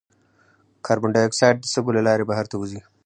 کاربن ډای اکساید د سږو له لارې بهر ته وځي.